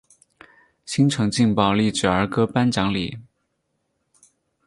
新城劲爆励志儿歌颁奖礼。